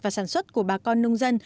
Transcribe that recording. và sản xuất của bà con nông dân